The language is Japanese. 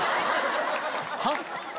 はっ？